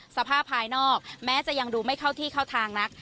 ภายนอกแม้จะยังดูไม่เข้าที่เข้าทางนัก